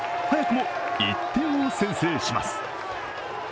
早くも１点を先制します。